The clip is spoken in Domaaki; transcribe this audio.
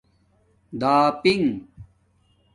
داپنگ